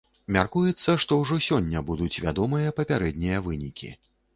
Мяркуецца, што ўжо сёння будуць вядомыя папярэднія вынікі.